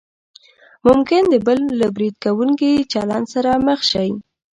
ممکن د بل له برید کوونکي چلند سره مخ شئ.